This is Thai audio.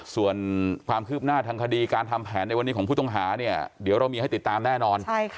ส่วนความคืบหน้าทางคดีการทำแผนในวันนี้ของผู้ต้องหาเนี่ยเดี๋ยวเรามีให้ติดตามแน่นอน